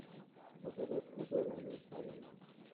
"Pożar jest o wiele mil za nimi."